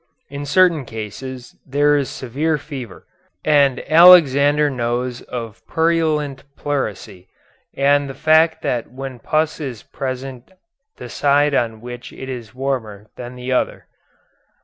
In certain cases there is severe fever, and Alexander knows of purulent pleurisy, and the fact that when pus is present the side on which it is is warmer than the other.